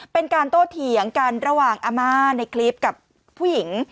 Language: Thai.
เป็นการโตเถียงกันระหว่างอาม่าในคลิปกับผู้หญิง